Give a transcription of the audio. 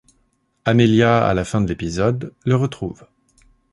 Amelia, à la fin de l'épisode, le retrouve.